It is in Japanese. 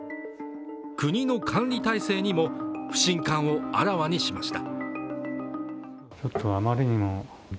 国の管理体制にも不信感をあらわにしました。